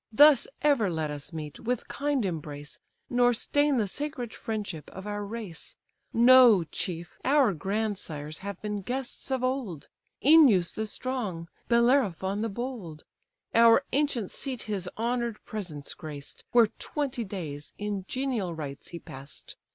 Thus ever let us meet, with kind embrace, Nor stain the sacred friendship of our race. Know, chief, our grandsires have been guests of old; Œneus the strong, Bellerophon the bold: Our ancient seat his honour'd presence graced, Where twenty days in genial rites he pass'd.